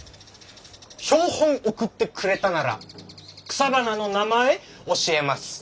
「標本送ってくれたなら草花の名前教えます」。